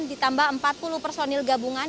ditambah empat puluh personil gabungan